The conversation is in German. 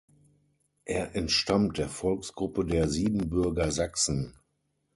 Er entstammt der Volksgruppe der Siebenbürger Sachsen.